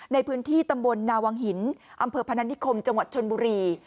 ในพื้นที่ตำบลนาวังหินอำเภอพนันนิคมจังหวัดชนบุรี